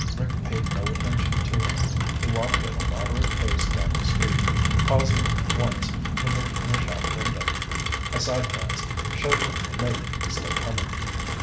Rick paid no attention to him. He walked at a moderate pace down the street, pausing once to look in a shop window. A side glance showed him the mate, still coming.